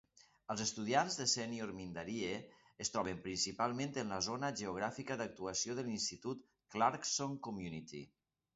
Els estudiats de Senior Mindarie es troben principalment en la zona geogràfica d'actuació de l'institut Clarkson Community.